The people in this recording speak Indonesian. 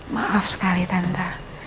maaf sekali tante